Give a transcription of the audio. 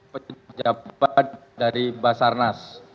pesawat dari basarnas